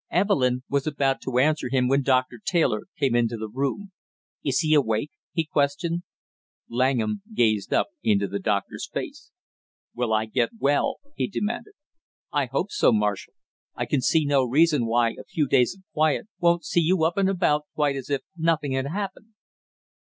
Evelyn was about to answer him when Doctor Taylor came into the room. "Is he awake?" he questioned. Langham gazed up into the doctor's face. "Will I get well?" he demanded. "I hope so, Marshall I can see no reason why a few days of quiet won't see you up and about quite as if nothing had happened."